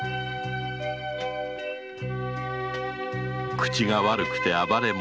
口が悪くて暴れ者。